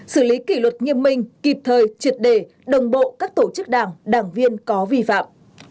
xử lý kỷ luật nghiêm minh kịp thời triệt đề đồng bộ các tổ chức đảng đảng viên có vi phạm